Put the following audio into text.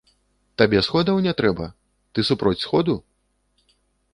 Табе сходаў не трэба, ты супроць сходу?